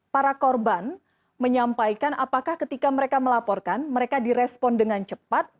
para korban menyampaikan apakah ketika mereka melaporkan mereka direspon dengan cepat